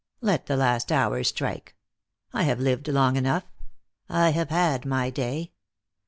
Let the last hour strike. I have lived long enough. I have had my day.